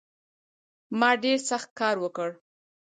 ما ډېر سخت کار وکړ